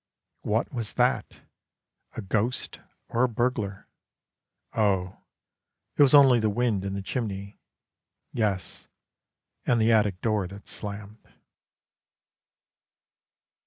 What was that? A ghost or a burglar? Oh, it was only the wind in the chimney, Yes, and the attic door that slammed.